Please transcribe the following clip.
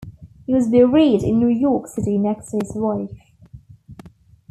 He was buried in New York City next to his wife.